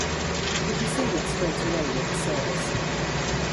He proceeded straightaway with the service.